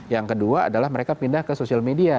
yang kedua adalah mereka pindah ke sosial media